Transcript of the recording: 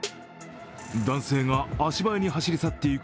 男性が足早に走り去っていく